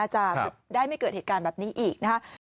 จะได้ไม่เกิดเหตุการณ์แบบนี้อีกนะครับ